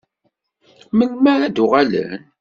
Melmi ara d-uɣalen?